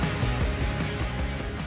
pembangunan pembangunan pembangunan